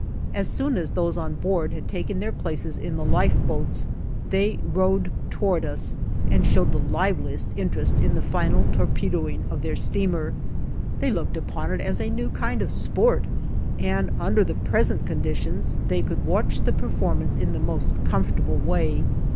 As soon as those on board had taken their places in the lifeboats they rowed towards us and showed the liveliest interest in the final torpedoing of their steamer. They looked upon it as a new kind of sport, and under the present conditions they could watch the performance in the most comfortable way.